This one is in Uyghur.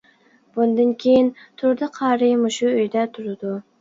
بۇندىن كېيىن تۇردى قارى مۇشۇ ئۆيدە تۇرىدۇ.